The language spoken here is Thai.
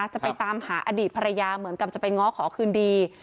จะไปตามหาอดีตภรรยาเหมือนกับจะไปง้อขอคืนดี